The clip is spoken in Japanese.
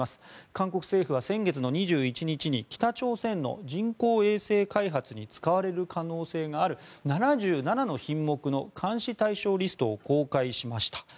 韓国政府は先月２１日に北朝鮮の人工衛星開発に使われる可能性がある７７の品目の監視対象リストを公開しました。